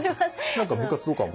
何か部活とかも？